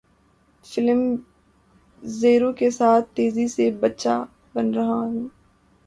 film zero کے ساتھ تیزی سے بچہ بن رہا ہوں